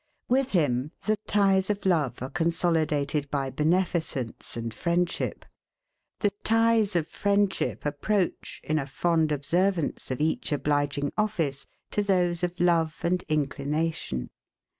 With him, the ties of love are consolidated by beneficence and friendship. The ties of friendship approach, in a fond observance of each obliging office, to those of love and inclination.